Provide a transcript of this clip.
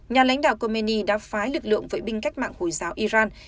nhà lãnh đạo comeni đã phái lực lượng vệ binh cách mạng hồi giáo iran